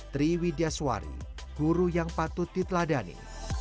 triwi diaswari guru yang patut diteladani